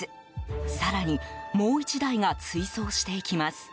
更に、もう１台が追走していきます。